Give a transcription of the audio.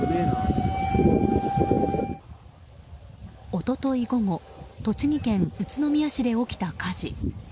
一昨日午後栃木県宇都宮市で起きた火事。